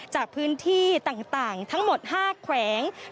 จากพื้นที่ต่างทั้งหมด๕แขวง